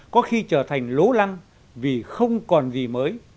có khi trở thành lố lăng vì không còn gì mới